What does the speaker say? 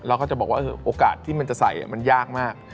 เขาจะบอกว่าโอกาสที่มันจะใส่มันยากมาก